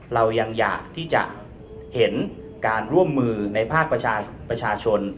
เรายังอยากที่จะเห็นการร่วมมือในภาคประชาชน